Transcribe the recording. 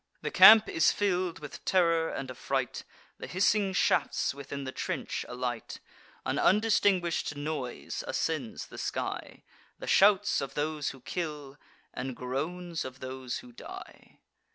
The camp is fill'd with terror and affright: The hissing shafts within the trench alight; An undistinguish'd noise ascends the sky, The shouts of those who kill, and groans of those who die.